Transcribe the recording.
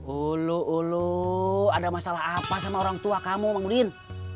ulu ulu ada masalah apa sama orang tua kamu bang udin